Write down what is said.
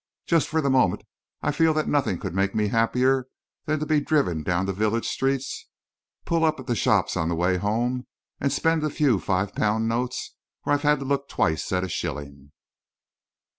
Just for the moment, I feel that nothing could make me happier than to be driven down the village street, pull up at the shops on the way home, and spend a few five pound notes where I've had to look twice at a shilling."